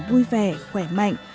vui vẻ khỏe mạnh